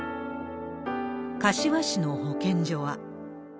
柏市の保健所は。